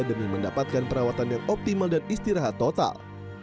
demi mendapatkan perawatan yang optimal dan istirahat total